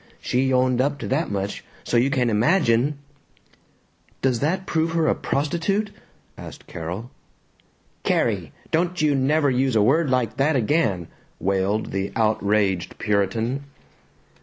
She owned up to that much, so you can imagine " "Does that prove her a prostitute?" asked Carol. "Carrie! Don't you never use a word like that again!" wailed the outraged Puritan.